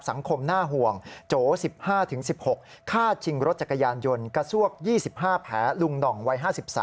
สังคมน่าห่วงโจ๑๕๑๖ฆ่าชิงรถจักรยานยนต์กระซวก๒๕แผลลุงหน่องวัย๕๓